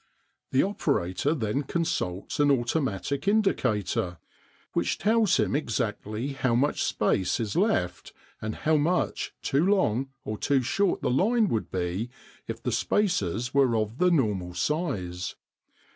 The operator then consults an automatic indicator which tells him exactly how much space is left, and how much too long or too short the line would be if the spaces were of the normal size.